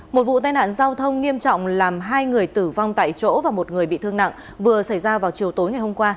một vụ tai nạn giao thông nghiêm trọng làm hai người tử vong tại chỗ và một người bị thương nặng vừa xảy ra vào chiều tối ngày hôm qua